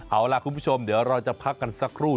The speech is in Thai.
เอาล่ะคุณผู้ชมเดี๋ยวเราจะพักกันสักครู่